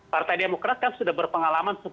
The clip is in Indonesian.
partai demokrat kan sudah berpengalaman